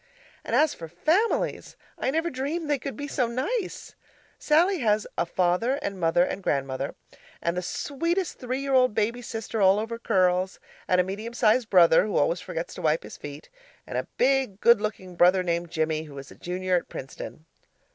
And as for families! I never dreamed they could be so nice. Sallie has a father and mother and grandmother, and the sweetest three year old baby sister all over curls, and a medium sized brother who always forgets to wipe his feet, and a big, good looking brother named Jimmie, who is a junior at Princeton.